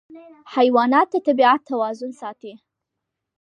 حیوانات د طبیعت توازن ساتي.